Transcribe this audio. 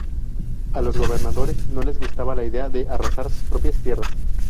A los gobernadores no les gustaba la idea de arrasar sus propias tierras.